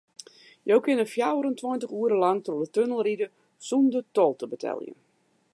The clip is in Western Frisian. Jo kinne fjouwerentweintich oere lang troch de tunnel ride sûnder tol te beteljen.